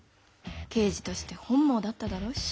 刑事として本望だっただろうし。